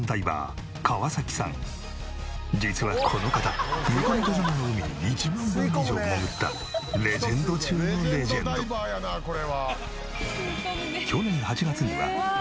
実はこの方神子元島の海に１万本以上潜ったレジェンド中のレジェンド。に成功。